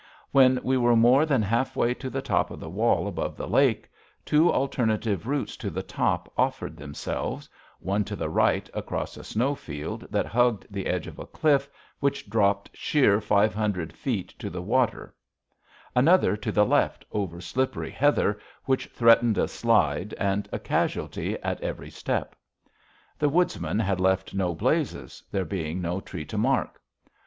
When we were more than halfway to the top of the wall above the lake, two alternative routes to the top offered themselves, one to the right across a snow field that hugged the edge of a cliff which dropped sheer five hundred feet to the water, another to the left over slippery heather which threatened a slide and a casualty at every step. The Woodsman had left no blazes, there being no tree to mark.